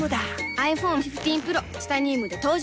ｉＰｈｏｎｅ１５Ｐｒｏ チタニウムで登場